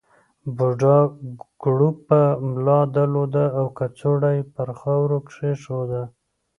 بوډا کړوپه ملا درلوده او کڅوړه یې پر خاورو کېښوده.